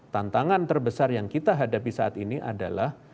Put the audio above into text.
tantangan terbesar yang kita hadapi saat ini adalah